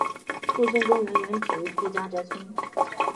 复兴公园原址为顾家宅村。